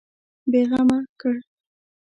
بېغمه کړ.